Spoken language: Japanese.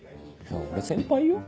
俺先輩よ？